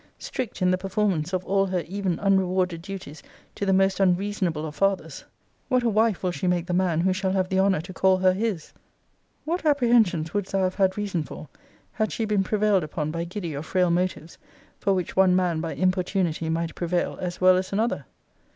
Strict in the performance of all her even unrewarded duties to the most unreasonable of fathers; what a wife will she make the man who shall have the honour to call her his! What apprehensions wouldst thou have had reason for, had she been prevailed upon by giddy or frail motives, for which one man, by importunity, might prevail, as well as another?